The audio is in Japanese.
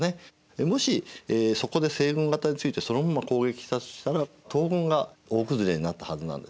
でもしそこで西軍方についてそのまま攻撃したとしたら東軍が大崩れになったはずなんですね。